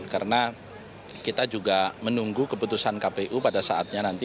karena kita juga menunggu keputusan kpu pada saatnya nanti